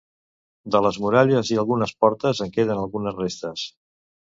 De les muralles i algunes portes en queden algunes restes.